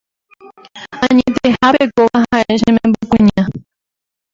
Añetehápe kóva ha'e che membykuña